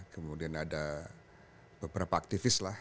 kemudian ada beberapa aktivis lah